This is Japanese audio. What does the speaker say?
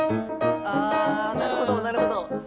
なるほどなるほど。